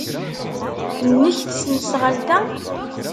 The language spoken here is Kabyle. Nnek tesnasɣalt-a?